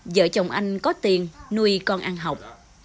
vợ chồng anh có tiền nuôi con ăn học